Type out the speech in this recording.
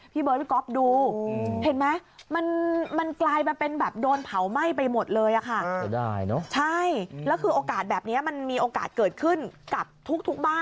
พี่เบ๊อร์ดพี่ก็อปดู